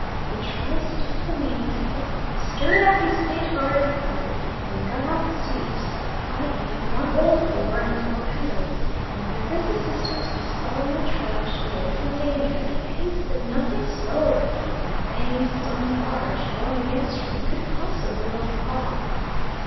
He triced up the mainsail, stirred up his fainthearted crew, and got out the sweeps, i.e. one old oar and four paddles, and with this assistance we solemnly trudged away from danger at a pace that nothing slower than a Thames dumb barge, going against stream, could possibly overhaul.